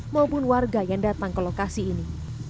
maupun warga yang datang ke lokasi ini